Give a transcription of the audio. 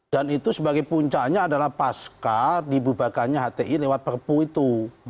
dan itu sebagai puncanya adalah pasca di bubakannya hti lewat perpu itu